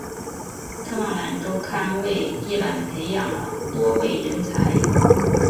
噶玛兰周刊为宜兰培养了多位人才。